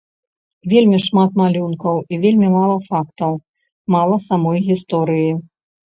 Вельмі шмат малюнкаў і вельмі мала фактаў, мала самой гісторыі.